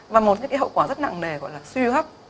và một cái hậu quả rất nặng nề gọi là suy hấp